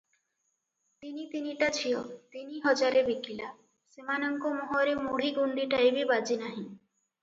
ତିନି ତିନିଟା ଝିଅ ତିନି ହଜାରେ ବିକିଲା, ସେମାନଙ୍କ ମୁହଁରେ ମୁଢ଼ି ଗୁଣ୍ଡିଟାଏ ବି ବାଜି ନାହିଁ ।